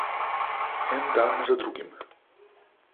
En dan za drugim.